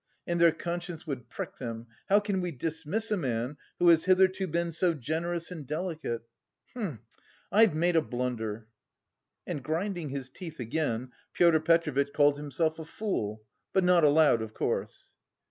And their conscience would prick them: how can we dismiss a man who has hitherto been so generous and delicate?.... H'm! I've made a blunder." And grinding his teeth again, Pyotr Petrovitch called himself a fool but not aloud, of course.